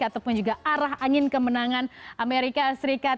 ataupun juga arah angin kemenangan amerika serikat